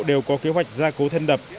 đều có kế hoạch gia cố thân đập